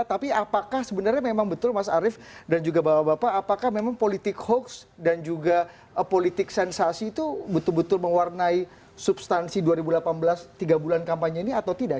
tapi apakah sebenarnya memang betul mas arief dan juga bapak bapak apakah memang politik hoax dan juga politik sensasi itu betul betul mewarnai substansi dua ribu delapan belas tiga bulan kampanye ini atau tidak